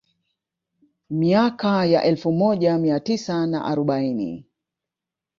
Miaka ya elfu moja mia tisa na arobaini